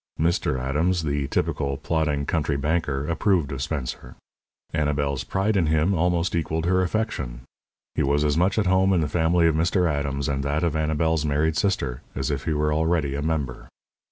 Mr. Adams, the typical, plodding, country banker, approved of Spencer. Annabel's pride in him almost equalled her affection. He was as much at home in the family of Mr. Adams and that of Annabel's married sister as if he were already a member.